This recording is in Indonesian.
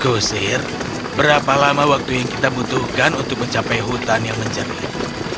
kusir berapa lama waktu yang kita butuhkan untuk mencapai hutan yang menjernih